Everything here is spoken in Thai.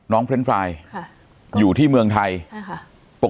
น้องเพล็นไฟล์ค่ะอยู่ที่เมืองไทยใช่ค่ะ